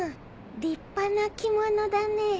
立派な着物だね。